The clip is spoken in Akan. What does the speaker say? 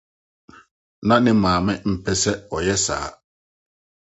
Ná ne maame mpɛ sɛ ɔyɛ saa.